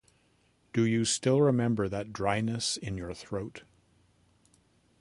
Do you still remember that dryness in your throat,